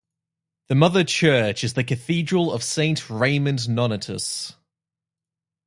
The mother church is the Cathedral of Saint Raymond Nonnatus.